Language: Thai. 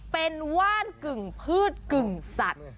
เป็นว่านกึ่งพืชกึ่งสัตว์